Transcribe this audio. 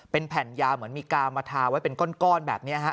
เป็นแผ่นยาเหมือนมีกาวมาทาไว้เป็นก้อนแบบนี้ฮะ